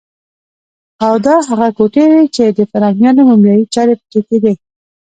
او دا هغه کوټې وې چې د فرعونیانو مومیایي چارې پکې کېدې.